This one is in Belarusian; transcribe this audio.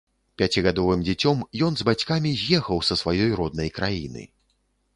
Пяцігадовым дзіцем ён з бацькамі з'ехаў са сваёй роднай краіны.